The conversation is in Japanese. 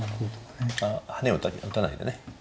ああハネを打たないで。